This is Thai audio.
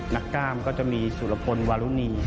กล้ามก็จะมีสุรพลวารุณี